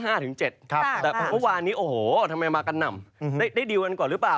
แต่แปลว่านี้ทำไมมากันน่ำได้ดิลกันก่อนหรือเปล่า